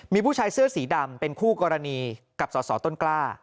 มีผู้ชายเสื้อสีดำเป็นคู่กรณีกับสสต้นกล้า